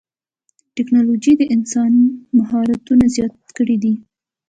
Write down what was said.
ټکنالوجي د انسان مهارتونه زیات کړي دي.